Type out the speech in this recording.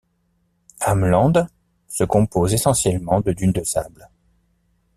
Ameland se compose essentiellement de dunes de sable.